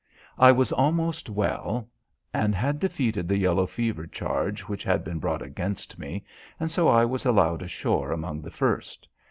I was almost well, and had defeated the yellow fever charge which had been brought against me, and so I was allowed ashore among the first.